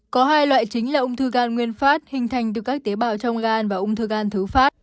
có hai loại chính là ung thư gan nguyên phát hình thành từ các tế bào trong gan và ung thư gan thứ phát